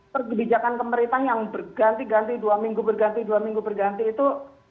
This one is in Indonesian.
terus kebijakan pemerintah yang berganti ganti dua minggu berganti dua minggu berganti itu